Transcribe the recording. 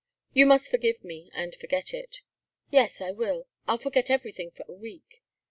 You must forgive me and forget it." "Yes I will! I'll forget everything for a week."